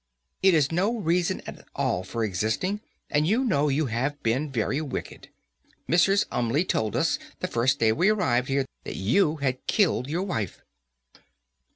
"It is no reason at all for existing, and you know you have been very wicked. Mrs. Umney told us, the first day we arrived here, that you had killed your wife."